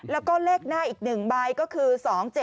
แล้วก็เลขหน้าอีก๑ใบก็คือ๒๗